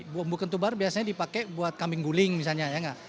bumbu ketumbar biasanya dipakai buat kambing guling misalnya ya nggak